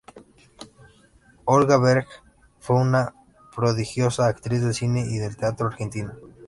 Olga Berg fue una prodigiosa actriz del cine y del teatro argentino.